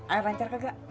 air lancar kagak